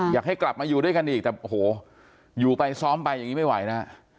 อยากให้กลับมาอยู่ด้วยกันอีกแต่โอ้โหอยู่ไปซ้อมไปอย่างนี้ไม่ไหวนะฮะ